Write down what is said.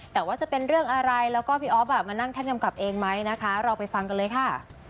แต่ว่าจะเป็นเรื่องอะไรแล้วก็พี่อ๊อฟมานั่งแท่นกำกับเองไหมนะคะเราไปฟังกันเลยค่ะ